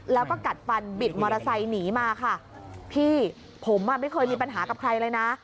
แล้วก็กัดฟันบิดมอเตอร์ไซค์หนีมาค่ะพี่ผมอ่ะไม่เคยมีปัญหากับใครเลยนะ